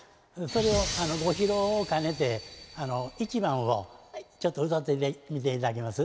それをご披露を兼ねて１番をちょっと歌ってみて頂けます？